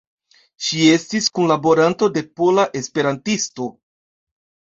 Ŝi estis kunlaboranto de Pola Esperantisto.